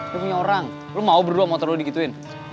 lo punya orang lo mau berdua motor lo digituin